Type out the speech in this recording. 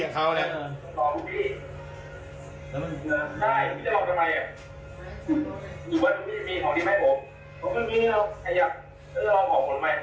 พี่จะรอบของคนใหม่